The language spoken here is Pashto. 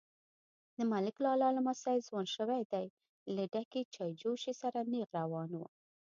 _د ملک لالا لمسی ځوان شوی دی، له ډکې چايجوشې سره نيغ روان و.